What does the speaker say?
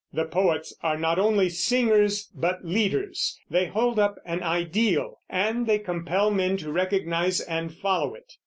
The poets are not only singers, but leaders; they hold up an ideal, and they compel men to recognize and follow it.